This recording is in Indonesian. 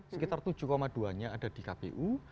sekitar tujuh dua nya ada di kpu